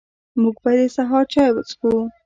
موږ به د سهار چاي وڅښو